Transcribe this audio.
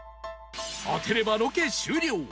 当てればロケ終了